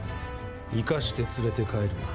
生かして連れて帰るな。